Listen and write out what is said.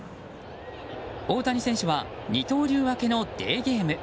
大谷選手は二刀流明けのデーゲーム。